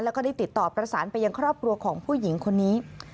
แล้วก็ได้ติดต่อประสานไปยังครอบครัวของผู้หญิงคนนี้